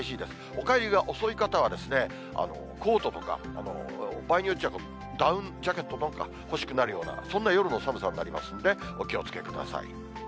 お帰りが遅い方は、コートとか、場合によってはダウンジャケットなんか欲しくなるような、そんな夜の寒さになりますんで、お気をつけください。